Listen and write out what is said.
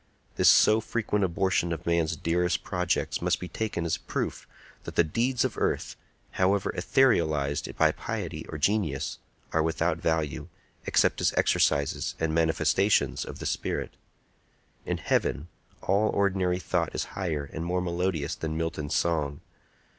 This so frequent abortion of man's dearest projects must be taken as a proof that the deeds of earth, however etherealized by piety or genius, are without value, except as exercises and manifestations of the spirit. In heaven, all ordinary thought is higher and more melodious than Milton's song.